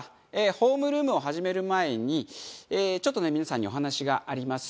ホームルームを始める前にちょっとね皆さんにお話があります。